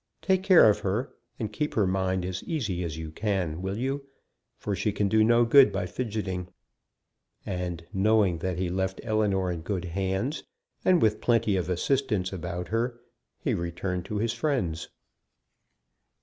Take care of her, and keep her mind as easy as you can, will you, for she can do no good by fidgeting." And, knowing that he left Ellinor in good hands, and with plenty of assistance about her, he returned to his friends.